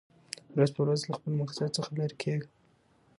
ورځ په ورځ له خپل مقصد څخه لېر کېږم .